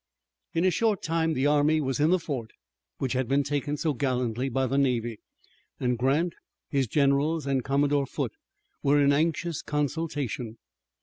In a short time the army was in the fort which had been taken so gallantly by the navy, and Grant, his generals, and Commodore Foote, were in anxious consultation.